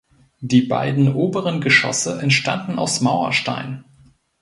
Die beiden oberen Geschosse entstanden aus Mauerstein.